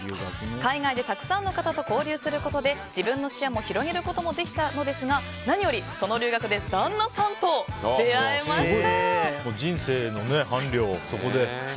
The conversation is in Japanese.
海外でたくさんの方と交流することで自分の視野も広げることもできたのですが何よりその留学で旦那さんと出会いました。